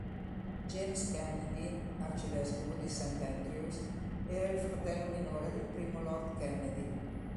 James Kennedy, arcivescovo di St Andrews, era il fratello minore del primo lord Kennedy.